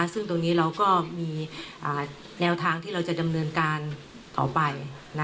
ซึ่งตรงนี้เราก็มีแนวทางที่เราจะดำเนินการต่อไป